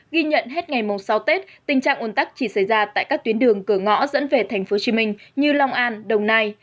ghi nhận hết ngày mùng sáu tết tình trạng ôn tắc chỉ xảy ra tại các tuyến đường cửa ngõ dẫn về tp hcm như long an đồng nai